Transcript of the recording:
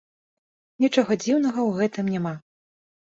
Нічога дзіўнага ў гэтым няма.